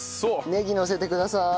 ネギのせてください。